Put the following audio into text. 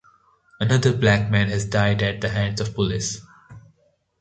Another Black man has died at the hands of police.